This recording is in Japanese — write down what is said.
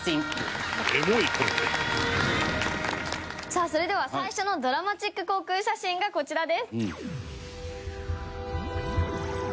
さあそれでは最初のドラマチック航空写真がこちらです。